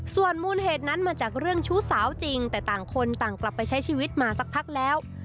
ส่วนมูลเหตุนั้นมาจากเรื่องชู้สาวจริงแต่ต่างคนต่างกลับไปใช้ชีวิตมาสักพักแล้ว